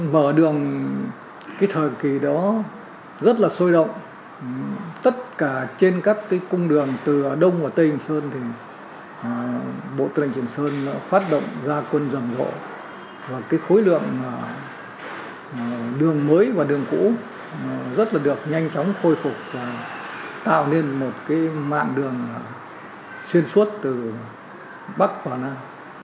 mở đường thời kỳ đó rất là sôi động tất cả trên các cung đường từ đông và tây trường sơn bộ tư lệnh trường sơn đã phát động ra quân dòng rộ và khối lượng đường mới và đường cũ rất là được nhanh chóng khôi phục và tạo nên một mạng đường xuyên suốt từ bắc và nam